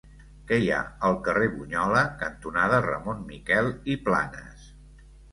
Què hi ha al carrer Bunyola cantonada Ramon Miquel i Planas?